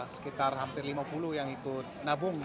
sekitar hampir lima puluh yang ikut nabung